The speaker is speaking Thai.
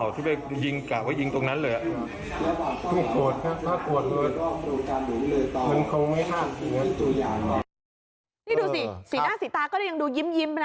นี่ดูสิสีหน้าสีตาก็ยังดูยิ้มไปนะ